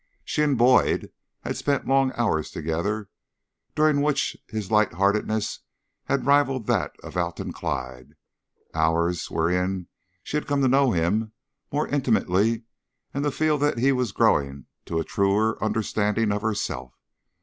She and Boyd had spent long hours together, during which his light heartedness had rivalled that of Alton Clyde hours wherein she had come to know him more intimately and to feel that he was growing to a truer understanding of herself.